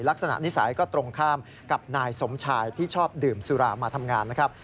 ลักษณะนิสัยก็ตรงข้ามกับนายสมชายที่ชอบดื่มสุรามาทำงานนะครับ